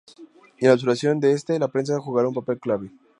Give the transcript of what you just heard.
Y en la absolución de este, la prensa jugará un papel clave.